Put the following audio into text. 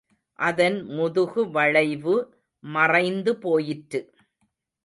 அதன் முதுகு வளைவு மறைந்து போயிற்று.